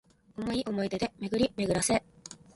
想おもい出で巡めぐらせ